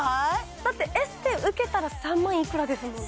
だってエステ受けたら３万いくらですもんね